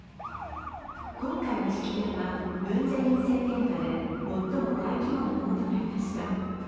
今回の式典はムン・ジェイン政権下で最も大規模なものとなりました。